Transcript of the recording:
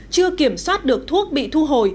chưa kiểm soát được thuốc bị thu hồi